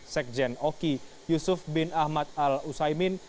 sekjen oki yusuf bin ahmad al usaimin